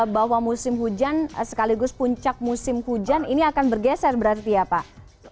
bahwa musim hujan sekaligus puncak musim hujan ini akan bergeser berarti ya pak